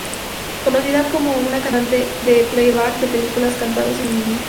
Conocida como una cantante de playback de películas cantados en hindi.